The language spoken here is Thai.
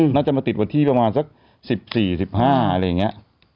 น่าจะมาติดวันที่ประมาณสัก๑๔๑๕อะไรอย่างนี้